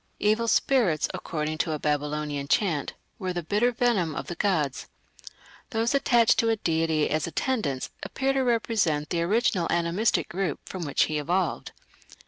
"Evil spirits", according to a Babylonian chant, were "the bitter venom of the gods". Those attached to a deity as "attendants" appear to represent the original animistic group from which he evolved.